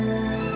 aku mau pergi